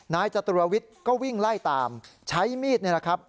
นายจตุระวิทก็วิ่งไล่ตามใช้มีดเนี่ยนะครับ